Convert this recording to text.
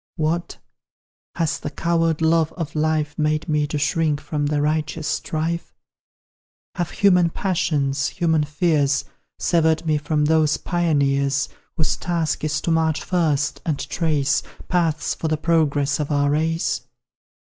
What! has the coward love of life Made me shrink from the righteous strife? Have human passions, human fears Severed me from those Pioneers Whose task is to march first, and trace Paths for the progress of our race?